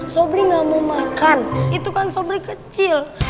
sobri gak mau makan itu kan sobri kecil